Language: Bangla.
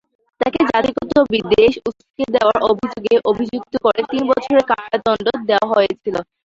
তাকে জাতিগত বিদ্বেষ উস্কে দেওয়ার অভিযোগে অভিযুক্ত করে তিন বছরের কারাদণ্ড দেওয়া হয়েছিল।